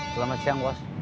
selamat siang bos